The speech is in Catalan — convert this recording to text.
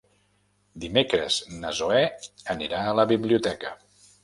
Dimecres na Zoè anirà a la biblioteca.